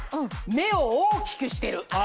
目を大きくしてる。